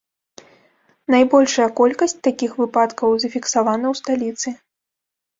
Найбольшая колькасць такіх выпадкаў зафіксавана ў сталіцы.